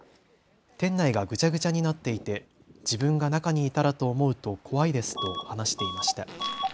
店内がぐちゃぐちゃになっていて自分が中にいたらと思うと怖いですと話していました。